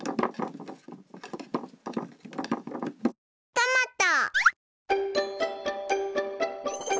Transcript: トマト。